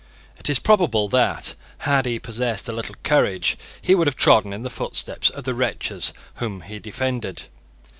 It is probable that, had he possessed a little courage, he would have trodden in the footsteps of the wretches whom he defended.